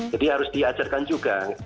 jadi harus diajarkan juga